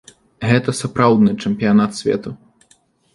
Гэта сапраўдны чэмпіянат свету.